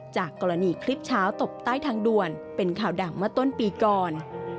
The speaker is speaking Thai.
จากกรณีคลิปเช้าตบใต้ทางด่วนเป็นข่าวดังเมื่อต้นปีก่อน